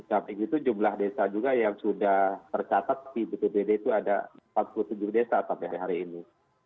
samping itu jumlah desa juga yang sudah tercatat di bpbd itu ada empat puluh tujuh desa sampai hari ini